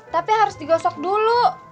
tapi harus digosok dulu